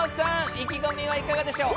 意気込みはいかがでしょう？